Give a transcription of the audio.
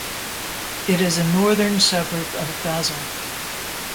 It is a northern suburb of Basel.